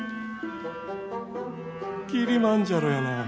キリマンジャロやな。